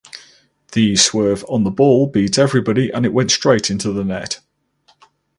The swerve on the ball beat everybody and it went straight into the net!